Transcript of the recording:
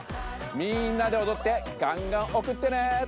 みんなでおどってがんがんおくってね！